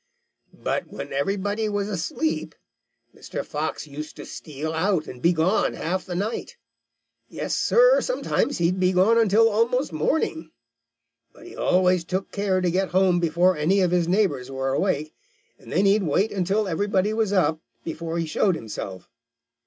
"But when everybody else was asleep, Mr. Fox used to steal out and be gone half the night. Yes, Sir, sometimes he'd be gone until almost morning. But he always took care to get home before any of his neighbors were awake, and then he'd wait until everybody was up before he showed himself.